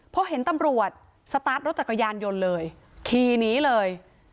พอเห็นตำรวจสตาร์ทรถจักรยานยนต์เลยขี่หนีเลย